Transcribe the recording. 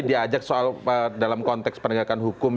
diajak soal dalam konteks penegakan hukum